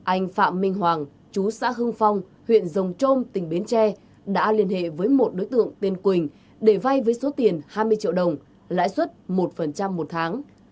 anh phạm minh hoàng chú xã hưng phong huyện rồng trôm tỉnh bến tre đã liên hệ với một đối tượng tên quỳnh để vay với số tiền hai mươi triệu đồng lãi suất một một tháng